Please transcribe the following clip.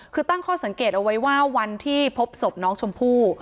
คือตั้งข้อสังเกตเอาไว้ว่าวันที่พบศพน้องชมพู่